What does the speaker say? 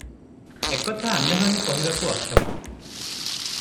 ଏକଥା ଆମ୍ଭେମାନେ କହିବାକୁ ଅକ୍ଷମ ।